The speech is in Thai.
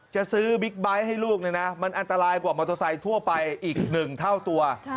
จะซื้อบิ๊กไบท์ให้ลูกเนี่ยนะมันอันตรายกว่ามอเตอร์ไซค์ทั่วไปอีก๑เท่าตัว